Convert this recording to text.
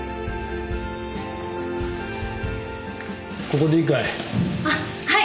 ここでいいかい？